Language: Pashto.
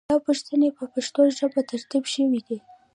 دا پوښتنې په پښتو ژبه ترتیب شوې دي.